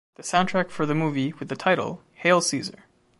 The soundtrack for the movie with the title "Hail Caesar!